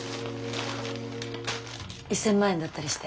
１，０００万円だったりして。